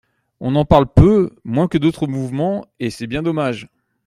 On en parle peu, moins que d’autres mouvements, et c’est bien dommage.